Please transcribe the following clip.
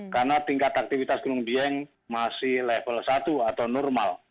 karena tingkat aktivitas gunung dieng masih level satu atau normal